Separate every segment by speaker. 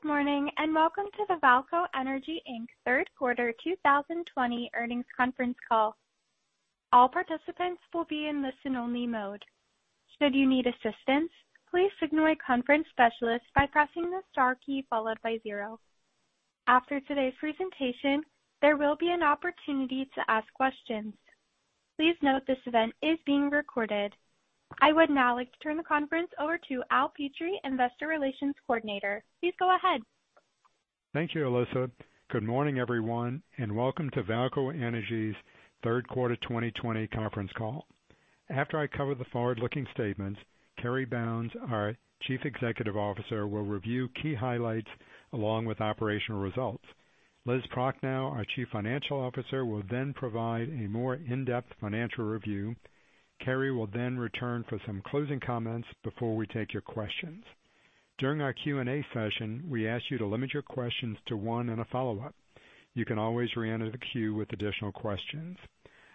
Speaker 1: Good morning, and welcome to the VAALCO Energy, Inc. third quarter 2020 earnings conference call. All participants will be in listen-only mode. Should you need assistance, please signal a conference specialist by pressing the star key followed by zero. After today's presentation, there will be an opportunity to ask questions. Please note this event is being recorded. I would now like to turn the conference over to Al Petrie, Investor Relations Coordinator. Please go ahead.
Speaker 2: Thank you, Alyssa. Good morning, everyone, and welcome to VAALCO Energy's third quarter 2020 conference call. After I cover the forward-looking statements, Cary Bounds, our Chief Executive Officer, will review key highlights along with operational results. Liz Prochnow, our Chief Financial Officer, will then provide a more in-depth financial review. Cary will then return for some closing comments before we take your questions. During our Q&A session, we ask you to limit your questions to one and a follow-up. You can always reenter the queue with additional questions.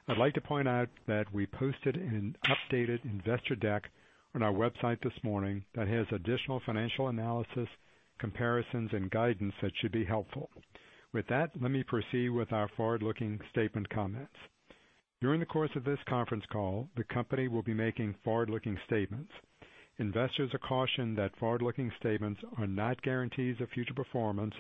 Speaker 2: I'd like to point out that we posted an updated investor deck on our website this morning that has additional financial analysis, comparisons, and guidance that should be helpful. With that, let me proceed with our forward-looking statement comments. During the course of this conference call, the company will be making forward-looking statements. Investors are cautioned that forward-looking statements are not guarantees of future performance,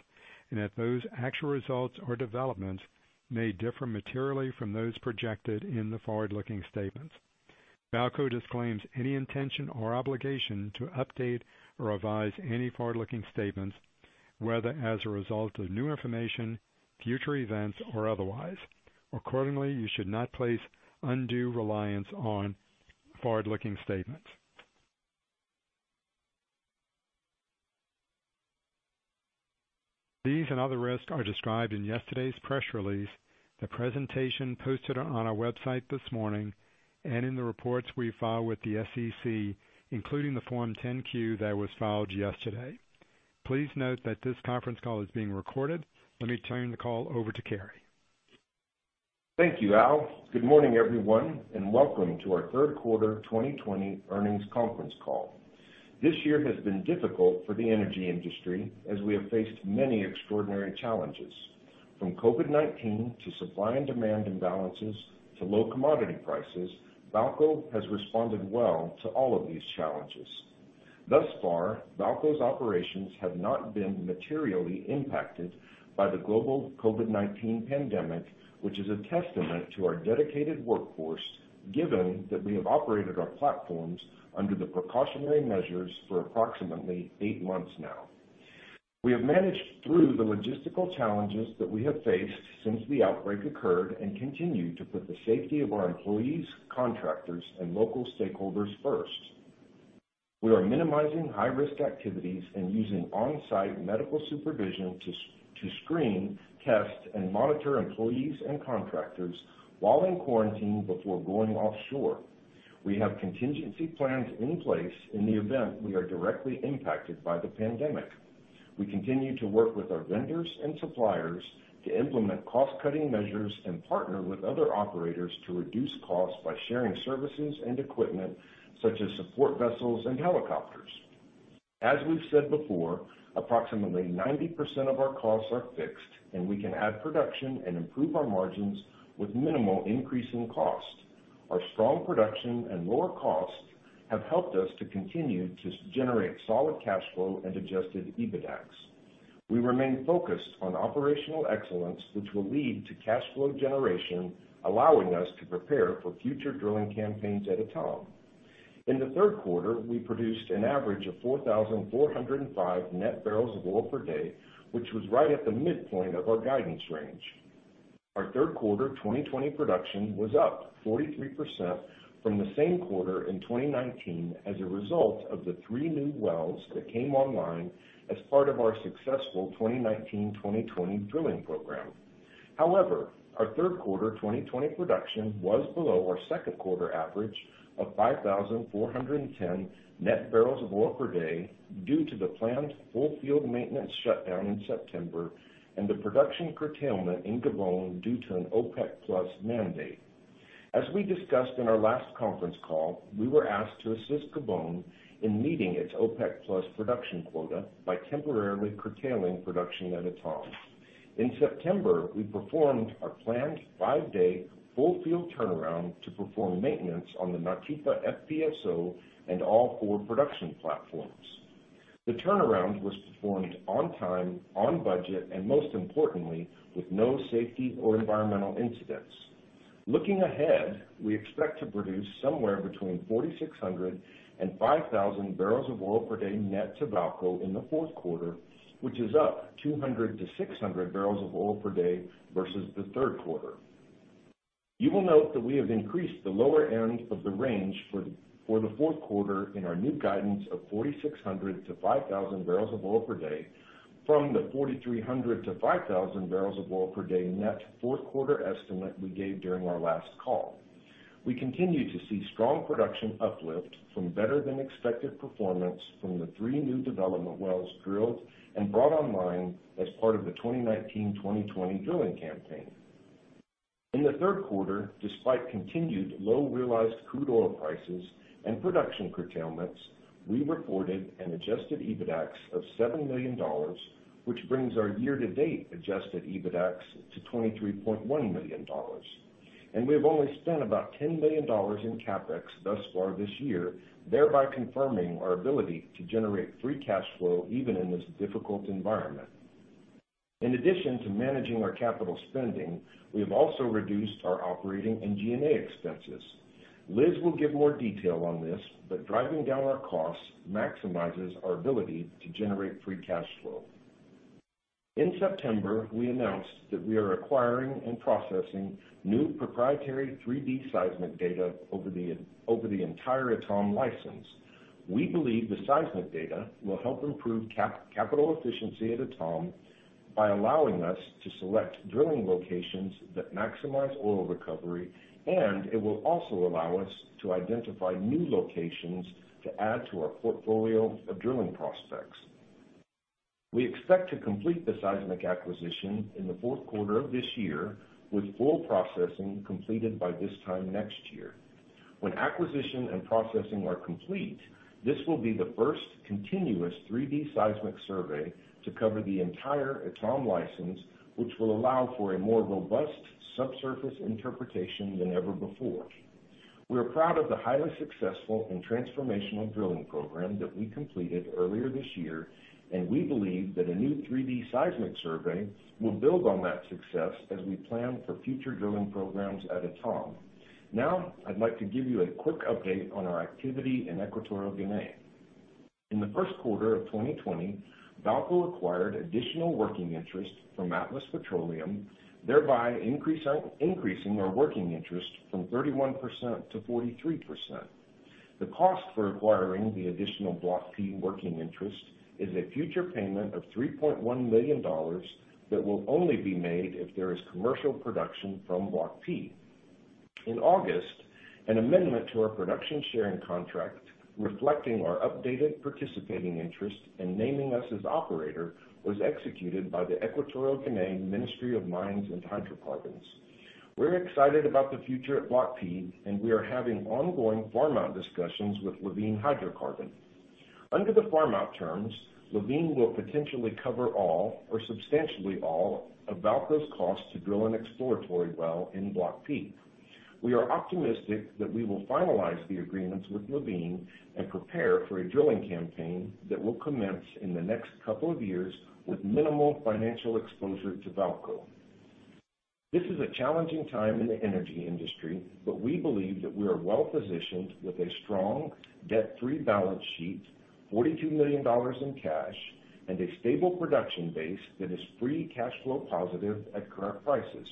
Speaker 2: and that those actual results or developments may differ materially from those projected in the forward-looking statements. VAALCO disclaims any intention or obligation to update or revise any forward-looking statements, whether as a result of new information, future events, or otherwise. Accordingly, you should not place undue reliance on forward-looking statements. These and other risks are described in yesterday's press release, the presentation posted on our website this morning, and in the reports we file with the SEC, including the Form 10-Q that was filed yesterday. Please note that this conference call is being recorded. Let me turn the call over to Cary.
Speaker 3: Thank you, Al. Good morning, everyone, and welcome to our third quarter 2020 earnings conference call. This year has been difficult for the energy industry as we have faced many extraordinary challenges. From COVID-19 to supply and demand imbalances, to low commodity prices, VAALCO has responded well to all of these challenges. Thus far, VAALCO's operations have not been materially impacted by the global COVID-19 pandemic, which is a testament to our dedicated workforce, given that we have operated our platforms under the precautionary measures for approximately eight months now. We have managed through the logistical challenges that we have faced since the outbreak occurred and continue to put the safety of our employees, contractors, and local stakeholders first. We are minimizing high-risk activities and using on-site medical supervision to screen, test, and monitor employees and contractors while in quarantine before going offshore. We have contingency plans in place in the event we are directly impacted by the pandemic. We continue to work with our vendors and suppliers to implement cost-cutting measures and partner with other operators to reduce costs by sharing services and equipment such as support vessels and helicopters. As we've said before, approximately 90% of our costs are fixed, and we can add production and improve our margins with minimal increase in cost. Our strong production and lower costs have helped us to continue to generate solid cash flow and Adjusted EBITDAX. We remain focused on operational excellence, which will lead to cash flow generation, allowing us to prepare for future drilling campaigns at Etame. In the third quarter, we produced an average of 4,405 net barrels of oil per day, which was right at the midpoint of our guidance range. Our third quarter 2020 production was up 43% from the same quarter in 2019 as a result of the three new wells that came online as part of our successful 2019/2020 drilling program. However, our third quarter 2020 production was below our second quarter average of 5,410 net barrels of oil per day due to the planned full-field maintenance shutdown in September and the production curtailment in Gabon due to an OPEC+ mandate. As we discussed in our last conference call, we were asked to assist Gabon in meeting its OPEC+ production quota by temporarily curtailing production at Etame. In September, we performed our planned five-day full-field turnaround to perform maintenance on the Petróleo Nautipa FPSO and all four production platforms. The turnaround was performed on time, on budget, and most importantly, with no safety or environmental incidents. Looking ahead, we expect to produce somewhere between 4,600 and 5,000 barrels of oil per day net to VAALCO Energy in the fourth quarter, which is up 200-600 barrels of oil per day versus the third quarter. You will note that we have increased the lower end of the range for the fourth quarter in our new guidance of 4,600-5,000 barrels of oil per day from the 4,300-5,000 barrels of oil per day net fourth quarter estimate we gave during our last call. We continue to see strong production uplift from better-than-expected performance from the three new development wells drilled and brought online as part of the 2019/2020 drilling campaign. In the third quarter, despite continued low realized crude oil prices and production curtailments, we reported an Adjusted EBITDAX of $7 million, which brings our year-to-date Adjusted EBITDAX to $23.1 million. We have only spent about $10 million in CapEx thus far this year, thereby confirming our ability to generate free cash flow even in this difficult environment. In addition to managing our capital spending, we have also reduced our operating and G&A expenses. Liz will give more detail on this, but driving down our costs maximizes our ability to generate free cash flow. In September, we announced that we are acquiring and processing new proprietary 3D seismic data over the entire Etame license. We believe the seismic data will help improve capital efficiency at Etame by allowing us to select drilling locations that maximize oil recovery, and it will also allow us to identify new locations to add to our portfolio of drilling prospects. We expect to complete the seismic acquisition in the fourth quarter of this year, with full processing completed by this time next year. When acquisition and processing are complete, this will be the first continuous 3D seismic survey to cover the entire Etame license, which will allow for a more robust subsurface interpretation than ever before. We are proud of the highly successful and transformational drilling program that we completed earlier this year, and we believe that a new 3D seismic survey will build on that success as we plan for future drilling programs at Etame. Now, I'd like to give you a quick update on our activity in Equatorial Guinea. In the first quarter of 2020, VAALCO acquired additional working interest from Atlas Petroleum, thereby increasing our working interest from 31%-43%. The cost for acquiring the additional Block P working interest is a future payment of $3.1 million that will only be made if there is commercial production from Block P. In August, an amendment to our production sharing contract reflecting our updated participating interest and naming us as operator was executed by the Equatorial Guinea Ministry of Mines and Hydrocarbons. We're excited about the future at Block P, and we are having ongoing farm-out discussions with Levene Hydrocarbon. Under the farm-out terms, Levene will potentially cover all or substantially all of VAALCO's costs to drill an exploratory well in Block P. We are optimistic that we will finalize the agreements with Levene and prepare for a drilling campaign that will commence in the next couple of years with minimal financial exposure to VAALCO. This is a challenging time in the energy industry, but we believe that we are well-positioned with a strong debt-free balance sheet, $42 million in cash, and a stable production base that is free cash flow positive at current prices.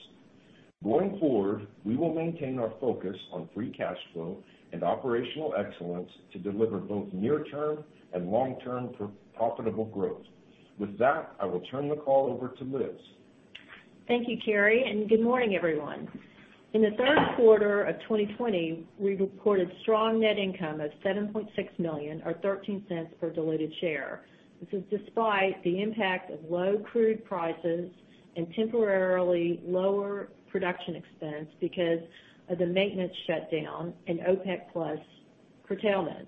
Speaker 3: Going forward, we will maintain our focus on free cash flow and operational excellence to deliver both near-term and long-term profitable growth. With that, I will turn the call over to Liz.
Speaker 4: Thank you, Cary. Good morning, everyone. In the third quarter of 2020, we reported strong net income of $7.6 million, or $0.13 per diluted share. This is despite the impact of low crude prices and temporarily lower production expense because of the maintenance shutdown and OPEC+ curtailment.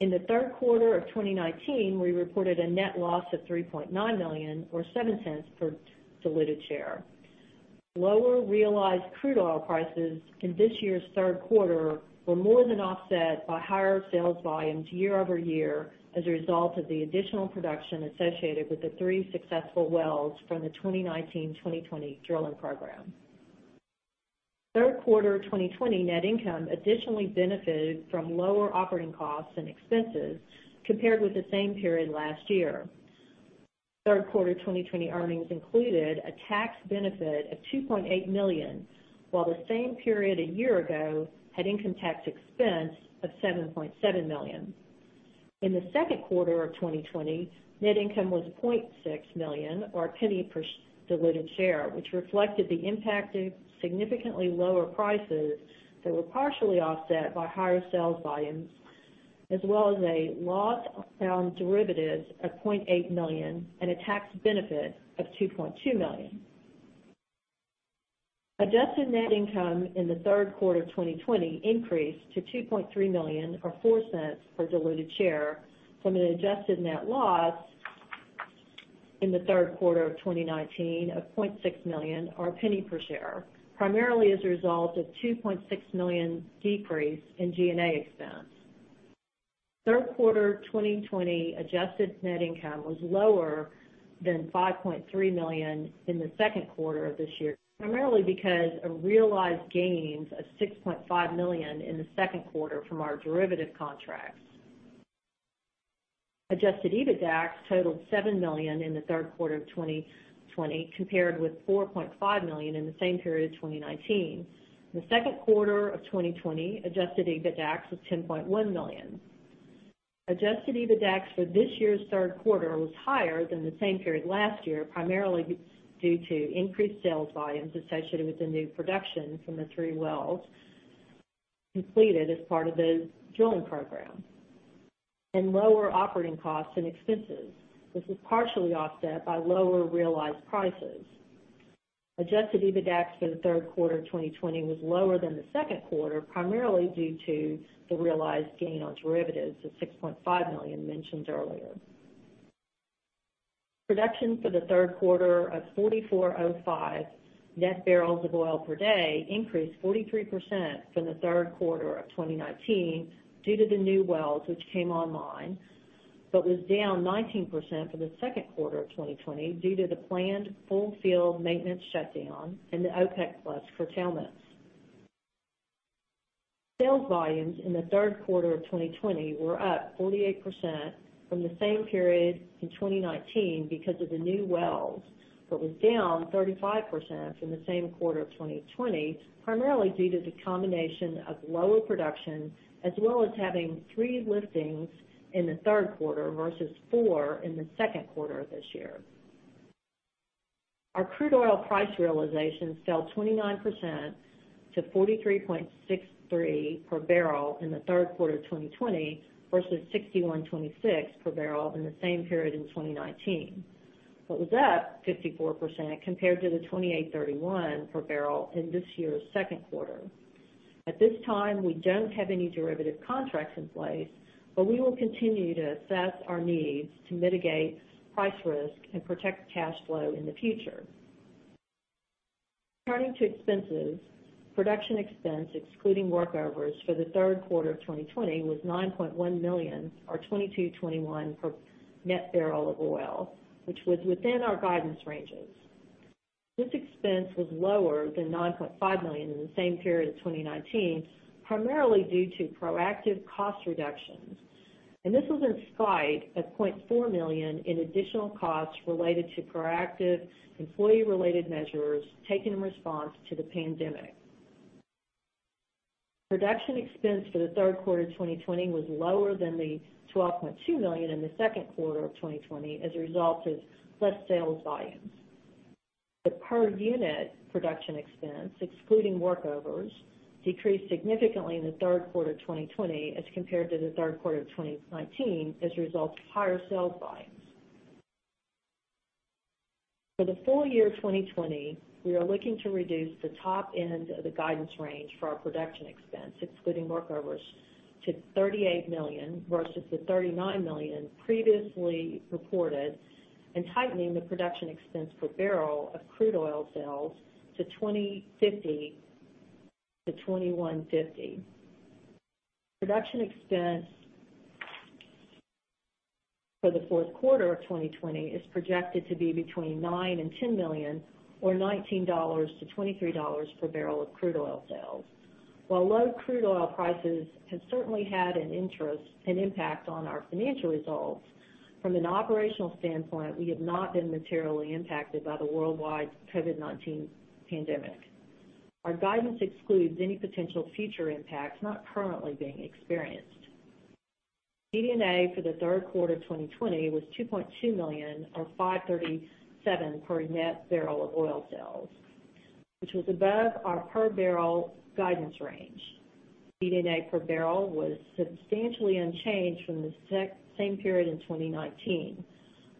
Speaker 4: In the third quarter of 2019, we reported a net loss of $3.9 million, or $0.07 per diluted share. Lower realized crude oil prices in this year's third quarter were more than offset by higher sales volumes year-over-year as a result of the additional production associated with the three successful wells from the 2019-2020 drilling program. Third quarter 2020 net income additionally benefited from lower operating costs and expenses compared with the same period last year. Third quarter 2020 earnings included a tax benefit of $2.8 million, while the same period a year ago had income tax expense of $7.7 million. In the second quarter of 2020, net income was $0.6 million, or $0.01 per diluted share, which reflected the impact of significantly lower prices that were partially offset by higher sales volumes, as well as a loss on derivatives of $0.8 million and a tax benefit of $2.2 million. Adjusted net income in the third quarter 2020 increased to $2.3 million, or $0.04 per diluted share, from an adjusted net loss in the third quarter of 2019 of $0.6 million, or $0.01 per share, primarily as a result of $2.6 million decrease in G&A expense. Third quarter 2020 adjusted net income was lower than $5.3 million in the second quarter of this year, primarily because of realized gains of $6.5 million in the second quarter from our derivative contracts. Adjusted EBITDAX totaled $7 million in the third quarter of 2020, compared with $4.5 million in the same period of 2019. In the second quarter of 2020, Adjusted EBITDAX was $10.1 million. Adjusted EBITDAX for this year's third quarter was higher than the same period last year, primarily due to increased sales volumes associated with the new production from the three wells completed as part of the drilling program. Lower operating costs and expenses. This is partially offset by lower realized prices. Adjusted EBITDAX for the third quarter of 2020 was lower than the second quarter, primarily due to the realized gain on derivatives of $6.5 million mentioned earlier. Production for the third quarter of 4,405 net barrels of oil per day increased 43% from the third quarter of 2019 due to the new wells which came online, but was down 19% from the second quarter of 2020 due to the planned full-field maintenance shutdown and the OPEC+ curtailments. Sales volumes in the third quarter of 2020 were up 48% from the same period in 2019 because of the new wells, but was down 35% from the same quarter of 2020, primarily due to the combination of lower production as well as having three liftings in the third quarter versus four in the second quarter of this year. Our crude oil price realization fell 29% to $43.63 per barrel in the third quarter of 2020, versus $61.26 per barrel in the same period in 2019, but was up 54% compared to the $28.31 per barrel in this year's second quarter. At this time, we don't have any derivative contracts in place, but we will continue to assess our needs to mitigate price risk and protect cash flow in the future. Turning to expenses, production expense excluding workovers for the third quarter of 2020 was $9.1 million or $22.21 per net barrel of oil, which was within our guidance ranges. This expense was lower than $9.5 million in the same period of 2019, primarily due to proactive cost reductions, and this was in spite of $0.4 million in additional costs related to proactive employee-related measures taken in response to the pandemic. Production expense for the third quarter 2020 was lower than $12.2 million in the second quarter of 2020 as a result of less sales volumes. The per-unit production expense, excluding workovers, decreased significantly in the third quarter of 2020 as compared to the third quarter of 2019 as a result of higher sales volumes. For the full year 2020, we are looking to reduce the top end of the guidance range for our production expense, excluding workovers, to $38 million, versus the $39 million previously reported, and tightening the production expense per barrel of crude oil sales to $20.50-$21.50. Production expense for the fourth quarter of 2020 is projected to be between $9 million and $10 million, or $19-$23 per barrel of crude oil sales. While low crude oil prices have certainly had an impact on our financial results, from an operational standpoint, we have not been materially impacted by the worldwide COVID-19 pandemic. Our guidance excludes any potential future impacts not currently being experienced. DD&A for the third quarter of 2020 was $2.2 million, or $5.37 per net barrel of oil sales, which was above our per-barrel guidance range. DD&A per barrel was substantially unchanged from the same period in 2019.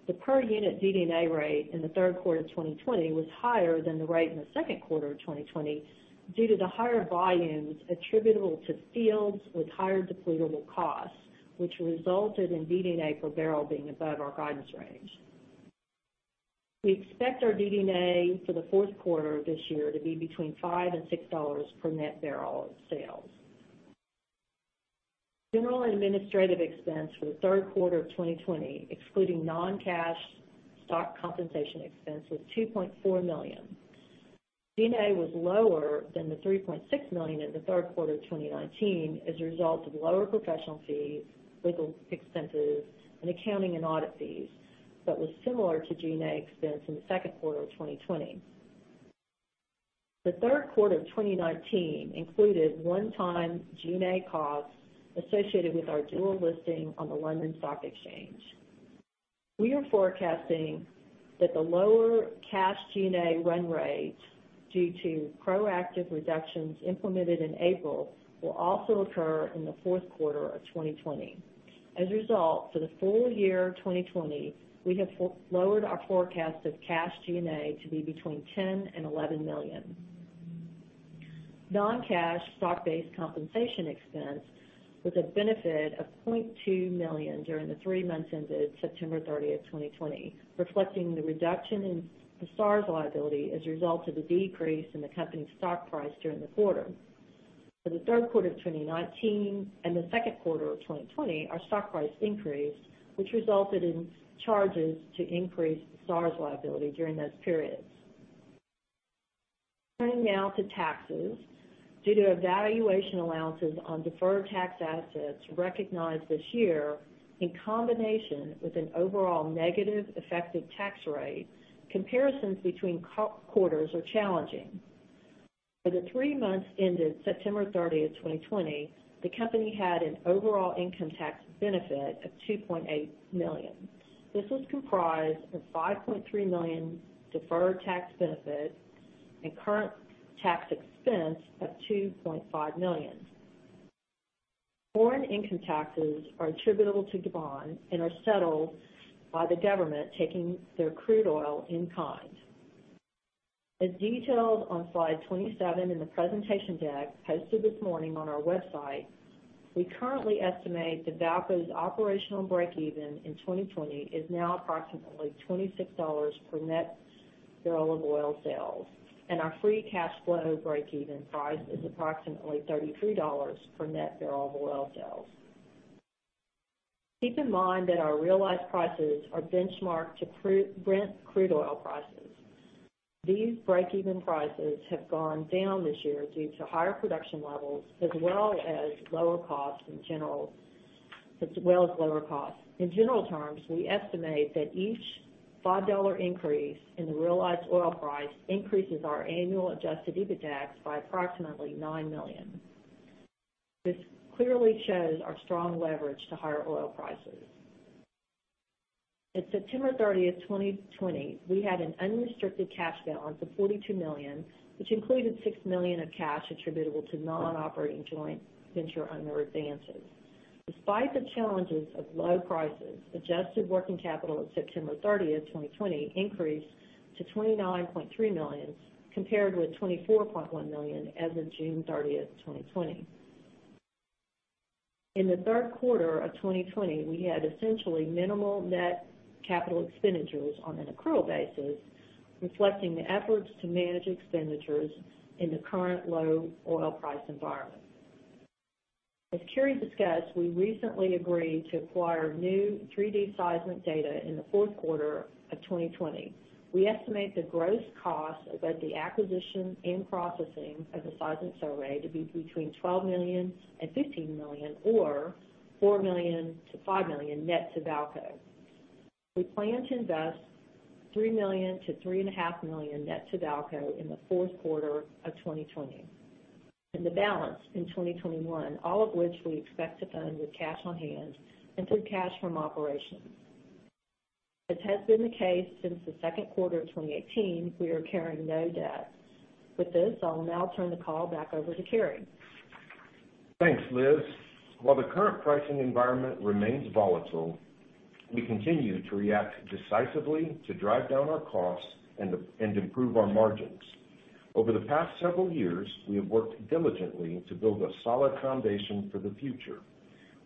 Speaker 4: The per-unit DD&A rate in the third quarter of 2020 was higher than the rate in the second quarter of 2020 due to the higher volumes attributable to fields with higher depletable costs, which resulted in DD&A per barrel being above our guidance range. We expect our DD&A for the fourth quarter of this year to be between $5 and $6 per net barrel of sales. General administrative expense for the third quarter of 2020, excluding non-cash stock compensation expense, was $2.4 million. G&A was lower than the $3.6 million in the third quarter of 2019 as a result of lower professional fees, legal expenses, and accounting and audit fees, but was similar to G&A expense in the second quarter of 2020. The third quarter of 2019 included one-time G&A costs associated with our dual listing on the London Stock Exchange. We are forecasting that the lower cash G&A run rate due to proactive reductions implemented in April will also occur in the fourth quarter of 2020. As a result, for the full year 2020, we have lowered our forecast of cash G&A to be between $10 million and $11 million. Non-cash stock-based compensation expense was a benefit of $0.2 million during the three months ended September 30, 2020, reflecting the reduction in the SARs liability as a result of the decrease in the company's stock price during the quarter. For the third quarter of 2019 and the second quarter of 2020, our stock price increased, which resulted in charges to increase the SARs liability during those periods. Turning now to taxes. Due to valuation allowances on deferred tax assets recognized this year, in combination with an overall negative effective tax rate, comparisons between quarters are challenging. For the three months ended September 30, 2020, the company had an overall income tax benefit of $2.8 million. This was comprised of $5.3 million deferred tax benefit and current tax expense of $2.5 million. Foreign income taxes are attributable to Gabon and are settled by the government taking their crude oil in kind. As detailed on slide 27 in the presentation deck posted this morning on our website, we currently estimate that VAALCO's operational breakeven in 2020 is now approximately $26 per net barrel of oil sales, and our free cash flow breakeven price is approximately $33 per net barrel of oil sales. Keep in mind that our realized prices are benchmarked to Brent crude oil prices. These breakeven prices have gone down this year due to higher production levels as well as lower costs. In general terms, we estimate that each $5 increase in the realized oil price increases our annual Adjusted EBITDAX by approximately $9 million. This clearly shows our strong leverage to higher oil prices. At September 30th, 2020, we had an unrestricted cash balance of $42 million, which included $6 million of cash attributable to non-operating joint venture owner advances. Despite the challenges of low prices, adjusted working capital at September 30th, 2020 increased to $29.3 million compared with $24.1 million as of June 30th, 2020. In the third quarter of 2020, we had essentially minimal net capital expenditures on an accrual basis, reflecting the efforts to manage expenditures in the current low oil price environment. As Cary discussed, we recently agreed to acquire new 3D seismic data in the fourth quarter of 2020. We estimate the gross cost of both the acquisition and processing of the seismic survey to be between $12 million and $15 million, or $4 million-$5 million net to VAALCO. We plan to invest $3 million-$3.5 million net to VAALCO in the fourth quarter of 2020 and the balance in 2021, all of which we expect to fund with cash on hand and through cash from operations. As has been the case since the second quarter of 2018, we are carrying no debt. With this, I'll now turn the call back over to Cary.
Speaker 3: Thanks, Liz. While the current pricing environment remains volatile, we continue to react decisively to drive down our costs and improve our margins. Over the past several years, we have worked diligently to build a solid foundation for the future.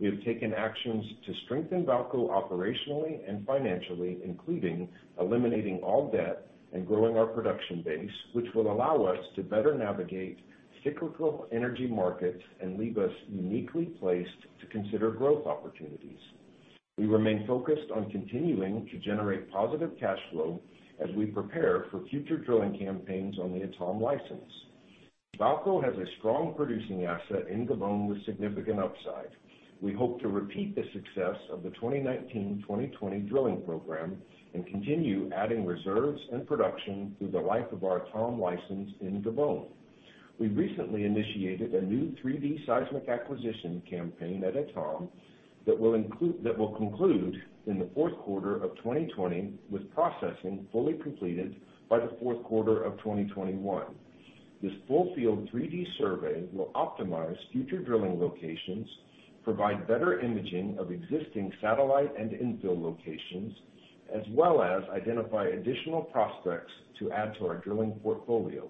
Speaker 3: We have taken actions to strengthen VAALCO Energy operationally and financially, including eliminating all debt and growing our production base, which will allow us to better navigate cyclical energy markets and leave us uniquely placed to consider growth opportunities. We remain focused on continuing to generate positive cash flow as we prepare for future drilling campaigns on the Etame license. VAALCO Energy has a strong producing asset in Gabon with significant upside. We hope to repeat the success of the 2019/2020 drilling program and continue adding reserves and production through the life of our Etame license in Gabon. We recently initiated a new 3D seismic acquisition campaign at Etame that will conclude in the fourth quarter of 2020, with processing fully completed by the fourth quarter of 2021. This full-field 3D survey will optimize future drilling locations, provide better imaging of existing satellite and infill locations, as well as identify additional prospects to add to our drilling portfolio.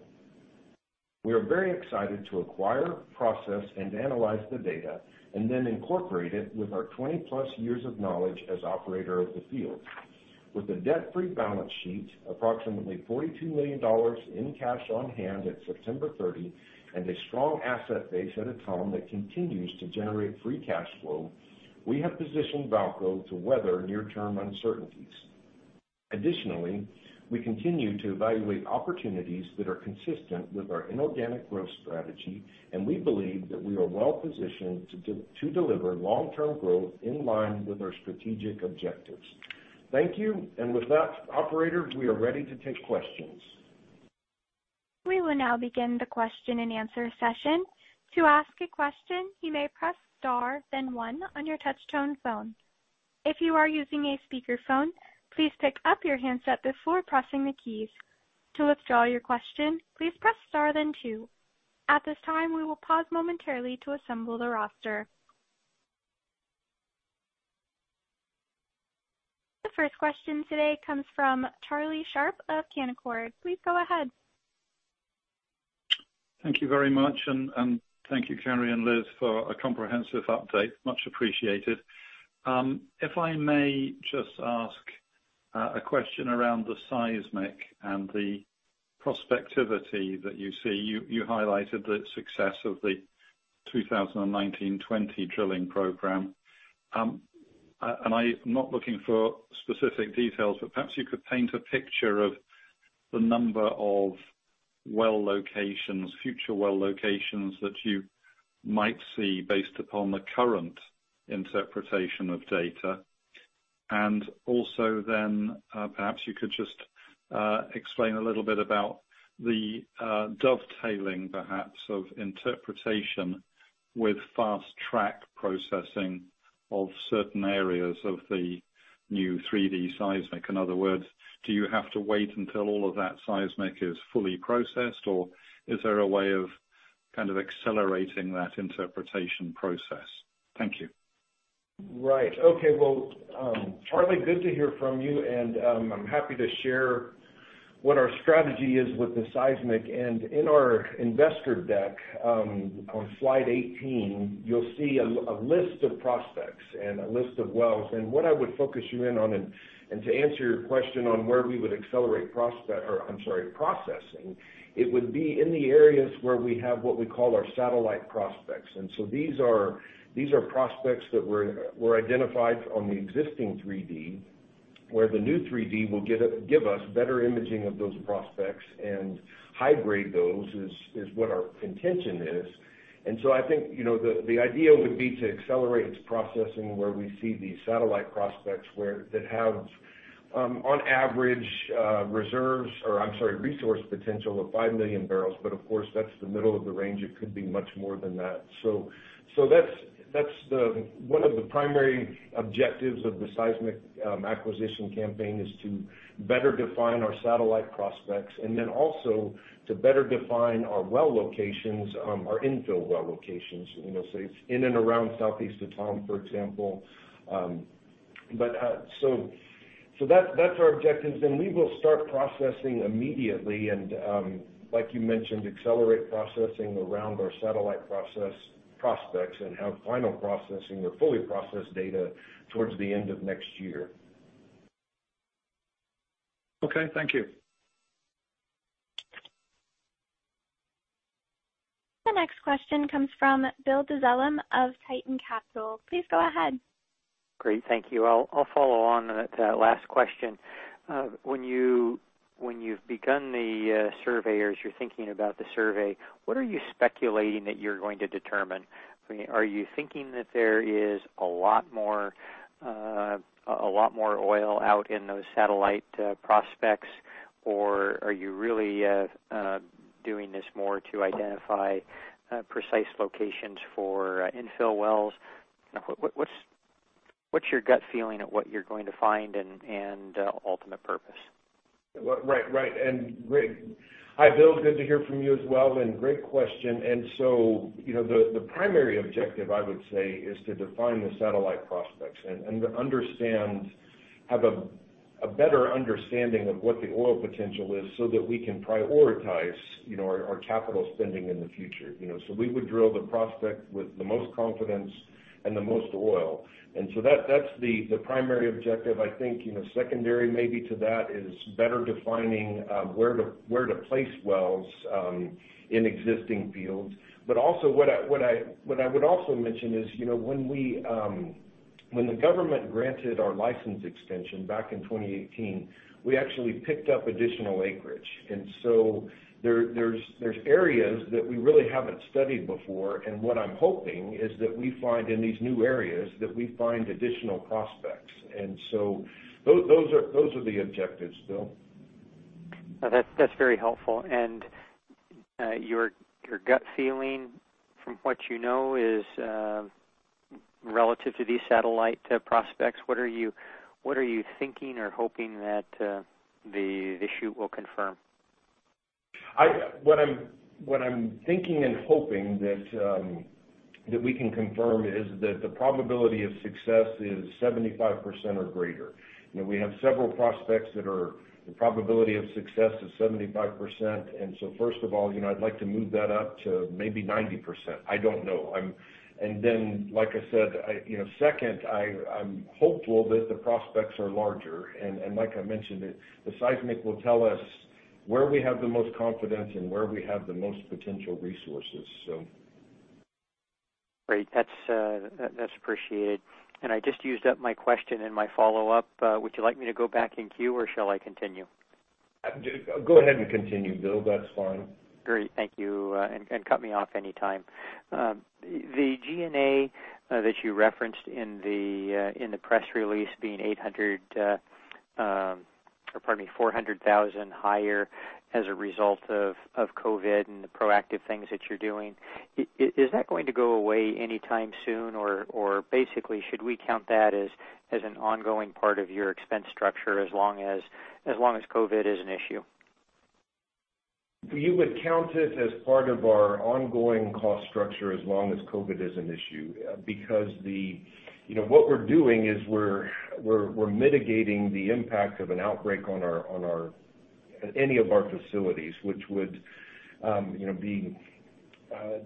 Speaker 3: We are very excited to acquire, process, and analyze the data and then incorporate it with our 20-plus years of knowledge as operator of the field. With a debt-free balance sheet, approximately $42 million in cash on hand at September 30, and a strong asset base at Etame that continues to generate free cash flow, we have positioned VAALCO to weather near-term uncertainties. Additionally, we continue to evaluate opportunities that are consistent with our inorganic growth strategy, and we believe that we are well positioned to deliver long-term growth in line with our strategic objectives. Thank you. With that, operator, we are ready to take questions.
Speaker 1: We will now begin the question and answer session. To ask a question, you may press star then one on your touchtone phone. If you are using a speakerphone, please pick up your handset before pressing the keys. To withdraw your question, please press star then two. At this time, we will pause momentarily to assemble the roster. The first question today comes from Charlie Sharp of Canaccord Genuity. Please go ahead.
Speaker 5: Thank you very much, and thank you, Cary and Liz, for a comprehensive update. Much appreciated. If I may just ask a question around the seismic and the prospectivity that you see. You highlighted the success of the 2019/2020 drilling program. I'm not looking for specific details, but perhaps you could paint a picture of the number of future well locations that you might see based upon the current interpretation of data. Also then perhaps you could just explain a little bit about the dovetailing perhaps of interpretation with fast-track processing of certain areas of the new 3D seismic. In other words, do you have to wait until all of that seismic is fully processed, or is there a way of accelerating that interpretation process? Thank you.
Speaker 3: Right. Okay. Well, Charlie, good to hear from you, and I'm happy to share what our strategy is with the seismic. In our investor deck, on slide 18, you'll see a list of prospects and a list of wells. What I would focus you in on, and to answer your question on where we would accelerate processing, it would be in the areas where we have what we call our satellite prospects. These are prospects that were identified on the existing 3D, where the new 3D will give us better imaging of those prospects and high-grade those, is what our intention is. I think, the idea would be to accelerate its processing where we see these satellite prospects that have, on average, resource potential of 5 million barrels. Of course, that's the middle of the range. It could be much more than that. That's one of the primary objectives of the seismic acquisition campaign, is to better define our satellite prospects and then also to better define our infill well locations, say, in and around Southeast Etame, for example. That's our objectives. We will start processing immediately and, like you mentioned, accelerate processing around our satellite prospects and have final processing or fully processed data towards the end of next year.
Speaker 5: Okay. Thank you.
Speaker 1: The next question comes from Bill Dezellem of Tieton Capital. Please go ahead.
Speaker 6: Great. Thank you. I'll follow on to that last question. When you've begun the survey or as you're thinking about the survey, what are you speculating that you're going to determine? Are you thinking that there is a lot more oil out in those satellite prospects, or are you really doing this more to identify precise locations for infill wells? What's your gut feeling of what you're going to find and ultimate purpose?
Speaker 3: Right. Great. Hi, Bill. Good to hear from you as well. Great question. The primary objective, I would say, is to define the satellite prospects and to have a better understanding of what the oil potential is so that we can prioritize our capital spending in the future. We would drill the prospect with the most confidence and the most oil. That's the primary objective. I think, secondary maybe to that is better defining where to place wells in existing fields. What I would also mention is, when the government granted our license extension back in 2018, we actually picked up additional acreage. There's areas that we really haven't studied before, and what I'm hoping is that we find in these new areas, that we find additional prospects. Those are the objectives, Bill.
Speaker 6: That's very helpful. Your gut feeling, from what you know, is relative to these satellite prospects, what are you thinking or hoping that the shoot will confirm?
Speaker 3: What I'm thinking and hoping that we can confirm is that the probability of success is 75% or greater. We have several prospects that are the probability of success is 75%. First of all, I'd like to move that up to maybe 90%. I don't know. Like I said, second, I'm hopeful that the prospects are larger. Like I mentioned, the seismic will tell us where we have the most confidence and where we have the most potential resources.
Speaker 6: Great. That's appreciated. I just used up my question and my follow-up. Would you like me to go back in queue, or shall I continue?
Speaker 3: Go ahead and continue, Bill. That's fine.
Speaker 6: Great. Thank you. Cut me off anytime. The G&A that you referenced in the press release being $400,000 higher as a result of COVID and the proactive things that you're doing, is that going to go away anytime soon? Basically, should we count that as an ongoing part of your expense structure as long as COVID is an issue?
Speaker 3: You would count it as part of our ongoing cost structure as long as COVID is an issue. What we're doing is we're mitigating the impact of an outbreak on any of our facilities, which would be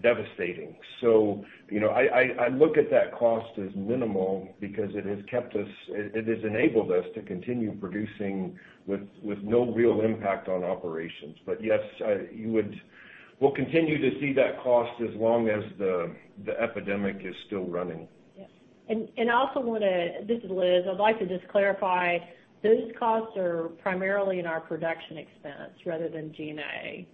Speaker 3: devastating. I look at that cost as minimal because it has enabled us to continue producing with no real impact on operations. Yes, we'll continue to see that cost as long as the epidemic is still running.
Speaker 4: This is Liz. I'd like to just clarify, those costs are primarily in our production expense rather than G&A.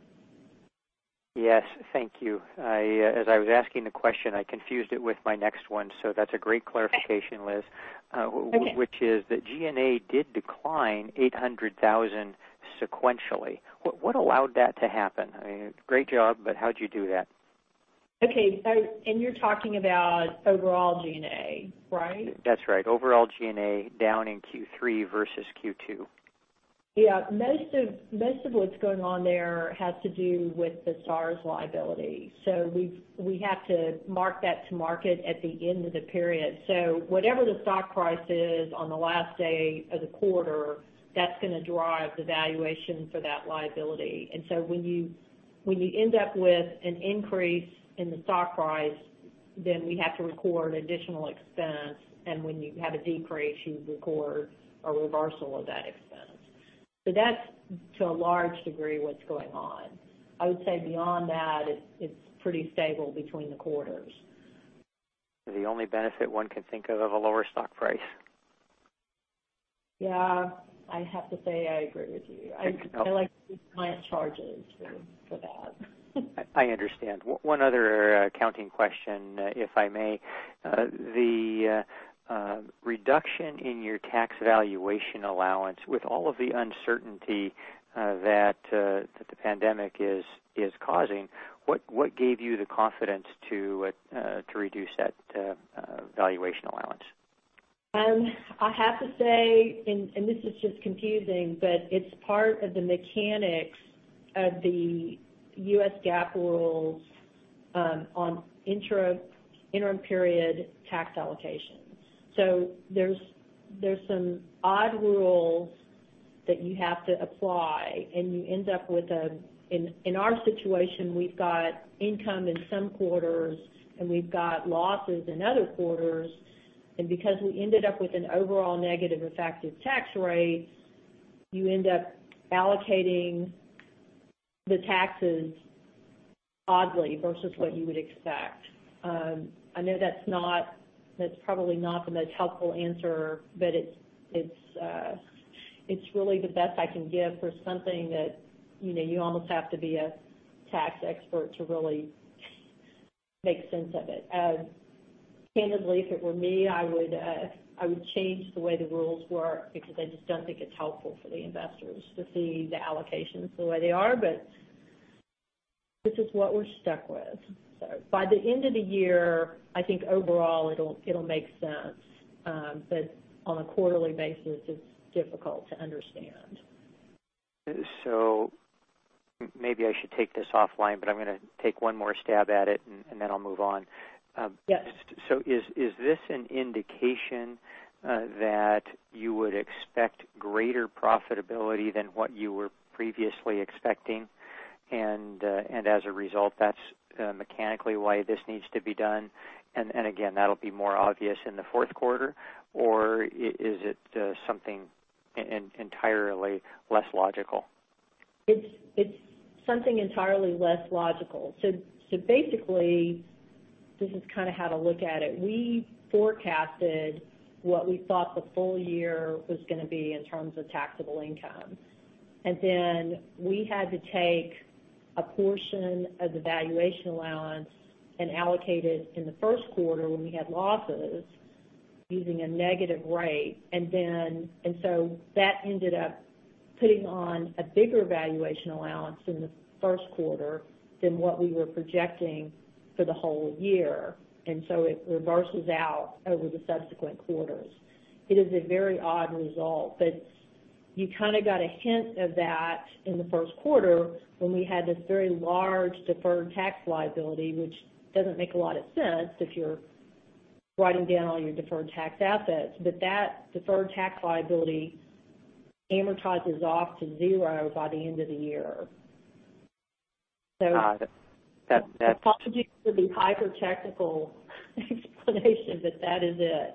Speaker 6: Yes. Thank you. As I was asking the question, I confused it with my next one, so that's a great clarification, Liz.
Speaker 4: Okay.
Speaker 6: Which is that G&A did decline $800,000 sequentially. What allowed that to happen? Great job, but how'd you do that.
Speaker 4: Okay. You're talking about overall G&A, right?
Speaker 6: That's right. Overall G&A down in Q3 versus Q2.
Speaker 4: Yeah. Most of what's going on there has to do with the SARs liability. We have to mark that to market at the end of the period. Whatever the stock price is on the last day of the quarter, that's going to drive the valuation for that liability. When you end up with an increase in the stock price, then we have to record additional expense, and when you have a decrease, you record a reversal of that expense. That's to a large degree, what's going on. I would say beyond that, it's pretty stable between the quarters.
Speaker 6: The only benefit one can think of of a lower stock price.
Speaker 4: Yeah. I have to say, I agree with you. I like client charges for that.
Speaker 6: I understand. One other accounting question, if I may. The reduction in your tax valuation allowance with all of the uncertainty that the pandemic is causing, what gave you the confidence to reduce that valuation allowance?
Speaker 4: I have to say, this is just confusing, but it's part of the mechanics of the U.S. GAAP rules on interim period tax allocations. There's some odd rules that you have to apply. In our situation, we've got income in some quarters and we've got losses in other quarters, because we ended up with an overall negative effective tax rate, you end up allocating the taxes oddly versus what you would expect. I know that's probably not the most helpful answer, but it's really the best I can give for something that you almost have to be a tax expert to really make sense of it. Candidly, if it were me, I would change the way the rules work because I just don't think it's helpful for the investors to see the allocations the way they are. This is what we're stuck with. By the end of the year, I think overall it'll make sense. On a quarterly basis, it's difficult to understand.
Speaker 6: Maybe I should take this offline, but I'm going to take one more stab at it, and then I'll move on.
Speaker 4: Yes.
Speaker 6: Is this an indication that you would expect greater profitability than what you were previously expecting, and as a result, that's mechanically why this needs to be done? Again, that'll be more obvious in the fourth quarter. Is it something entirely less logical?
Speaker 4: It's something entirely less logical. Basically, this is how to look at it. We forecasted what we thought the full year was going to be in terms of taxable income. Then we had to take a portion of the valuation allowance and allocate it in the first quarter when we had losses using a negative rate. That ended up putting on a bigger valuation allowance in the first quarter than what we were projecting for the whole year. It reverses out over the subsequent quarters. It is a very odd result, but you kind of got a hint of that in the first quarter when we had this very large deferred tax liability, which doesn't make a lot of sense if you're writing down all your deferred tax assets. That deferred tax liability amortizes off to zero by the end of the year.
Speaker 6: Got it.
Speaker 4: Apologies for the hyper-technical explanation, but that is it.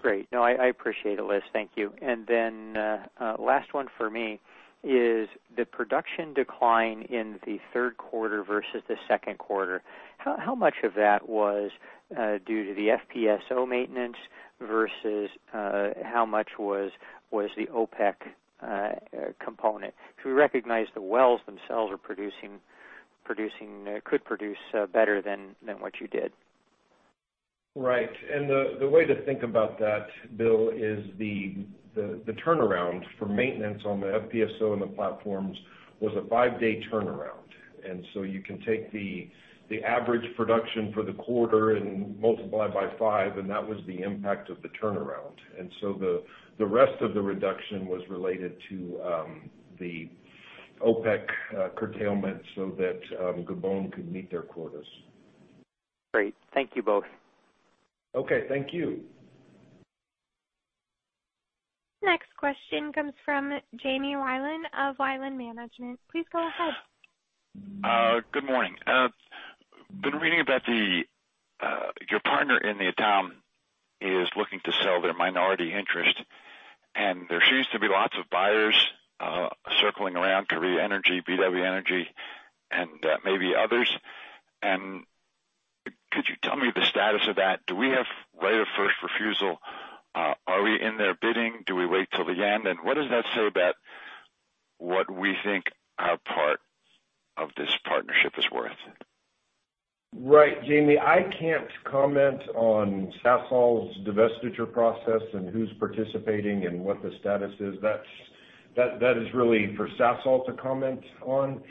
Speaker 6: Great. No, I appreciate it, Liz. Thank you. Then, last one for me is the production decline in the third quarter versus the second quarter, how much of that was due to the FPSO maintenance versus how much was the OPEC component? Because we recognize the wells themselves could produce better than what you did.
Speaker 3: Right. The way to think about that, Bill, is the turnaround for maintenance on the FPSO and the platforms was a five-day turnaround. You can take the average production for the quarter and multiply by five, and that was the impact of the turnaround. The rest of the reduction was related to the OPEC curtailment so that Gabon could meet their quotas.
Speaker 6: Great. Thank you both.
Speaker 3: Okay. Thank you.
Speaker 1: Next question comes from Jamie Weiland of Weiland Management. Please go ahead.
Speaker 7: Good morning. Been reading about your partner in the Etame is looking to sell their minority interest. There seems to be lots of buyers circling around, Kariya Energy, BW Energy, and maybe others. Could you tell me the status of that? Do we have right of first refusal? Are we in there bidding? Do we wait till the end? What does that say about what we think our part of this partnership is worth?
Speaker 3: Right. Jamie, I can't comment on Sasol's divestiture process and who's participating and what the status is. That is really for Sasol to comment on.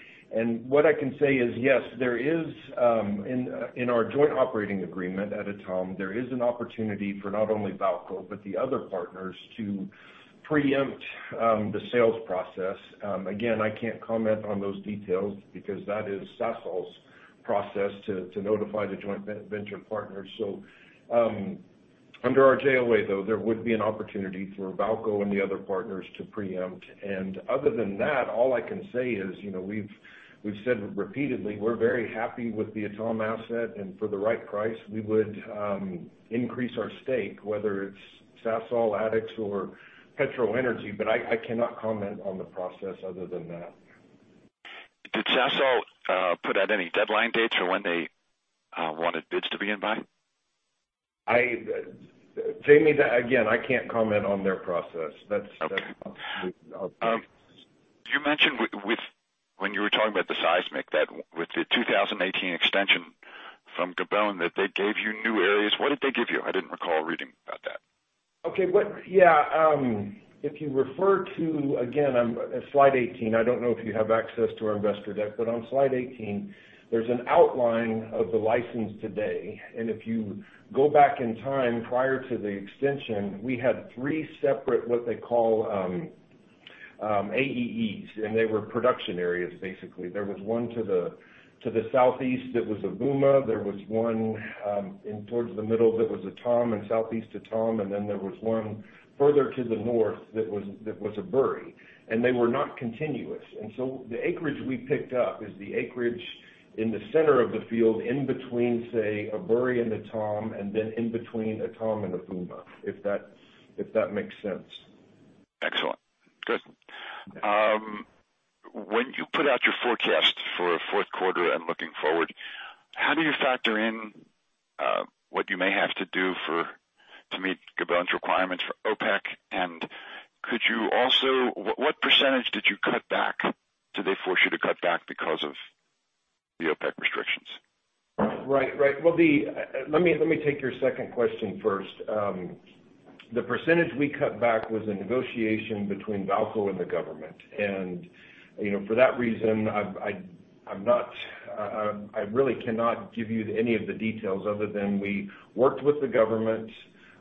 Speaker 3: What I can say is, yes, in our joint operating agreement at Etame, there is an opportunity for not only VAALCO but the other partners to preempt the sales process. Again, I can't comment on those details because that is Sasol's process to notify the joint venture partners. Under our JOA, though, there would be an opportunity for VAALCO and the other partners to preempt. Other than that, all I can say is, we've said repeatedly we're very happy with the Etame asset and for the right price, we would increase our stake, whether it's Sasol, Addax, or PetroEnergy. I cannot comment on the process other than that.
Speaker 7: Did Sasol put out any deadline dates for when they wanted bids to be in by?
Speaker 3: Jamie, again, I can't comment on their process.
Speaker 7: Okay. You mentioned when you were talking about the seismic, that with the 2018 extension from Gabon, that they gave you new areas. What did they give you? I didn't recall reading about that.
Speaker 3: Okay. If you refer to, again, slide 18, I don't know if you have access to our investor deck, on slide 18, there's an outline of the license today. If you go back in time, prior to the extension, we had three separate, what they call, AEEs, they were production areas, basically. There was one to the southeast that was Avouma. There was one towards the middle that was Etame and Southeast Etame, then there was one further to the north that was Ebouri, they were not continuous. The acreage we picked up is the acreage in the center of the field in between, say, Ebouri and Etame, in between Etame and Avouma. If that makes sense.
Speaker 7: Excellent. Good. When you put out your forecast for fourth quarter and looking forward, how do you factor in what you may have to do to meet Gabon's requirements for OPEC? What percentage did you cut back, did they force you to cut back because of the OPEC restrictions?
Speaker 3: Right. Let me take your second question first. The percentage we cut back was a negotiation between VAALCO and the government. For that reason, I really cannot give you any of the details other than we worked with the government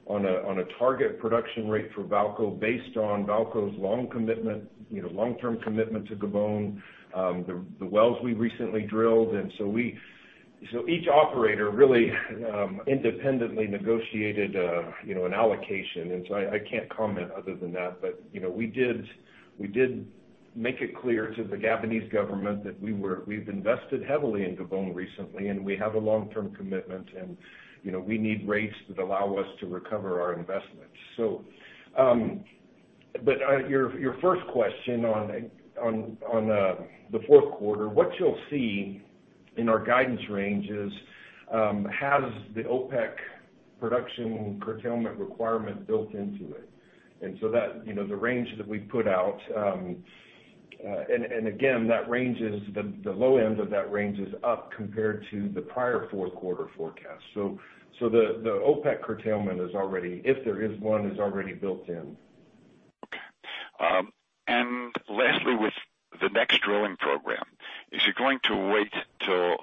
Speaker 3: on a target production rate for VAALCO based on VAALCO's long-term commitment to Gabon, the wells we recently drilled. Each operator really independently negotiated an allocation. I can't comment other than that, but we did make it clear to the Gabonese government that we've invested heavily in Gabon recently, and we have a long-term commitment, and we need rates that allow us to recover our investments. Your first question on the fourth quarter, what you'll see in our guidance range is, has the OPEC production curtailment requirement built into it? The range that we put out again, the low end of that range is up compared to the prior fourth quarter forecast. The OPEC curtailment, if there is one, is already built in.
Speaker 7: Okay. Lastly, with the next drilling program, is it going to wait till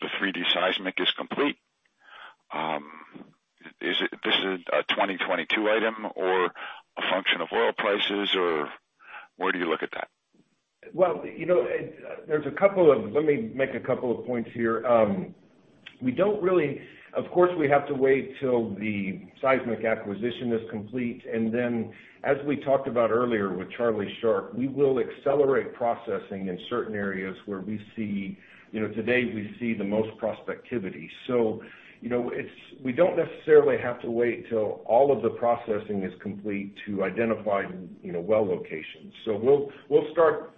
Speaker 7: the 3D seismic is complete? Is this a 2022 item or a function of oil prices, or where do you look at that?
Speaker 3: Let me make a couple of points here. Of course, we have to wait till the seismic acquisition is complete. Then as we talked about earlier with Charlie Sharp, we will accelerate processing in certain areas where today we see the most prospectivity. We don't necessarily have to wait till all of the processing is complete to identify well locations. We'll start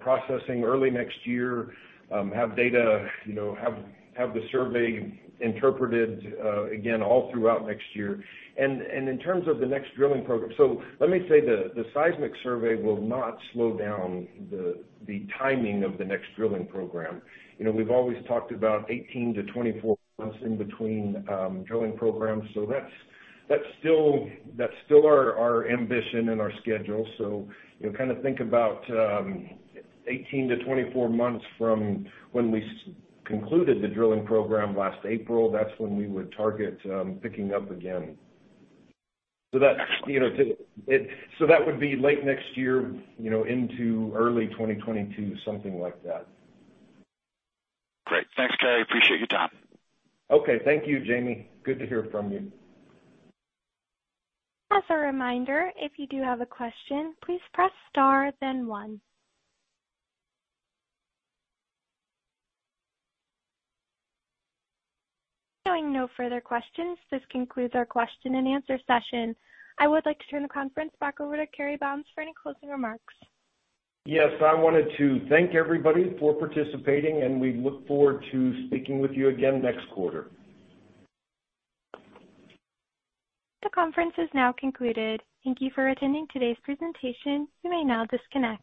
Speaker 3: processing early next year, have the survey interpreted again all throughout next year. In terms of the next drilling program, so let me say, the seismic survey will not slow down the timing of the next drilling program. We've always talked about 18-24 months in between drilling programs, so that's still our ambition and our schedule. Think about 18-24 months from when we concluded the drilling program last April, that's when we would target picking up again. That would be late next year, into early 2022, something like that.
Speaker 7: Great. Thanks, Cary. Appreciate your time.
Speaker 3: Okay. Thank you, Jamie. Good to hear from you.
Speaker 1: As a reminder, if you do have a question, please press star then one. Hearing no further questions, this concludes our question and answer session. I would like to turn the conference back over to Cary Bounds for any closing remarks.
Speaker 3: Yes. I wanted to thank everybody for participating. We look forward to speaking with you again next quarter.
Speaker 1: The conference is now concluded. Thank you for attending today's presentation. You may now disconnect.